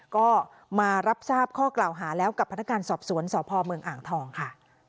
ก็มารับทราบข้อกล่าวหาแล้วกับพนักงานสอบสวนสพเมืองอ่างทองค่ะ